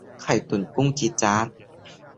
ไข่ตุ๋นกุ้งจี๊ดจ๊าด